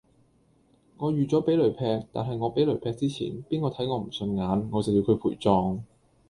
我預咗俾雷劈，但係我俾雷劈之前，邊個睇我唔順眼，我就要佢陪葬。